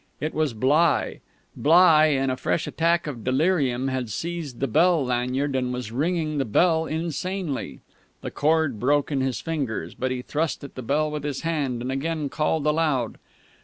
It was Bligh. Bligh, in a fresh attack of delirium, had seized the bell lanyard and was ringing the bell insanely. The cord broke in his fingers, but he thrust at the bell with his hand, and again called aloud.